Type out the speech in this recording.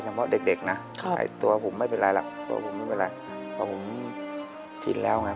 แถมเพราะเด็กเราถึงชินแล้วไง